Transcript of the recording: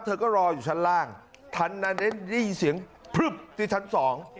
เธอก็รออยู่ชั้นล่างทันนั้นได้ยินเสียงพลึบที่ชั้นสอง